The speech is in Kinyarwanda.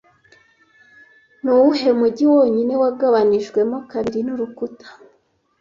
Ni uwuhe mujyi wonyine wagabanijwemo kabiri n'urukuta